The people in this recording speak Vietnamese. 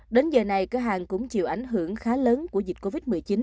đến giờ này cửa hàng cũng chịu ảnh hưởng khá lớn của dịch covid một mươi chín